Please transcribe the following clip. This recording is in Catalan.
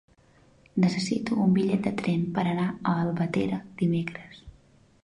Necessito un bitllet de tren per anar a Albatera dimecres.